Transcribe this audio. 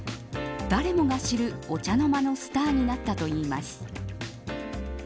誰もが知る、お茶の間のスターになったといいます。